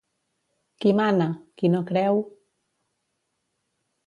Qui mana? Qui no creu...